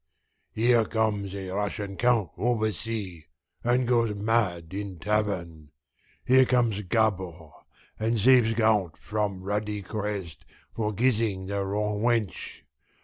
Here comes a Russian count oversea, and goes mad in tavern. Here comes Gabord, and saves count from ruddy crest for kissing the wrong wench.